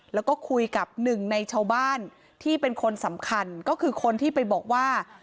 แล้วก็คุยกับหนึ่งในชาวบ้านที่เป็นคนสำคัญก็คือคนที่ไปบอกว่า